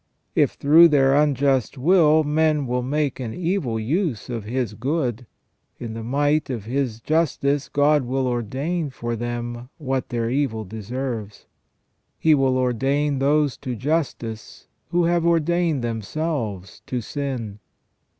If, through their unjust will, men will make an evil use of His good, in the might of His justice God will ordain for them what their evil deserves. He will ordain those to justice who have ordained themselves to sin."